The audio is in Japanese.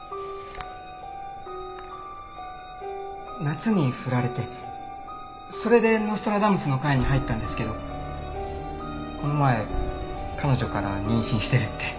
夏にフラれてそれでノストラダムスの会に入ったんですけどこの前彼女から妊娠してるって。